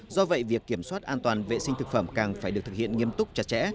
do vậy việc kiểm soát an toàn vệ sinh thực phẩm càng phải được thực hiện nghiêm túc chặt chẽ